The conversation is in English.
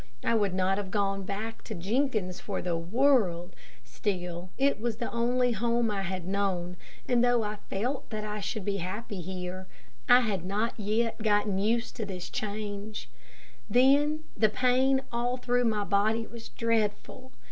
I would not have gone back to Jenkins' for the world, still it was the only home I had known, and though I felt that I should be happy here, I had not yet gotten used to the change. Then the pain all through my body was dreadful.